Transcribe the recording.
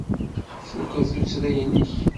Tfukeḍ tuttra-nnek?